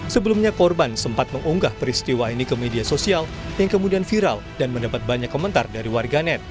sebelumnya korban sempat mengunggah peristiwa ini ke media sosial yang kemudian viral dan mendapat banyak komentar dari warganet